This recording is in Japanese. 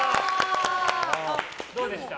どうでした？